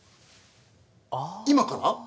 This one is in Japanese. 「今から？